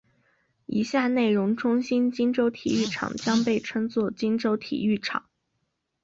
以下内容中新金州体育场将被称作金州体育场。